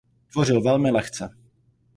Tvořil velmi lehce.